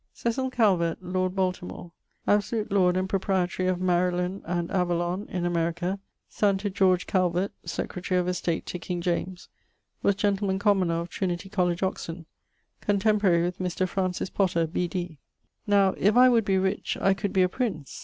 Cecil Calvert, lord Baltemore, absolute lord and proprietary of Maryland and Avalon in America, son to Calvert (secretary of estate to king James), was gentleman commoner of Trinity College, Oxon, contemporary with Mr. Francis Potter, B.D. Now if I would be rich, I could be a prince.